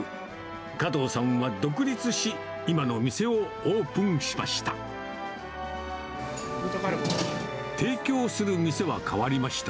加藤さんは独立し、今の店をオープンしました。